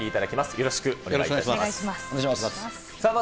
よろしくお願いします。